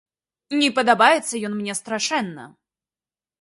Не падабаецца ён мне страшэнна.